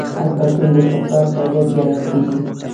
افلاطون د سقراط شاګرد ګڼل کیږي.